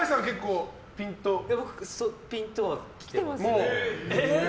ピンとはきてますね。